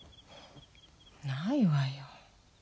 ないわよ。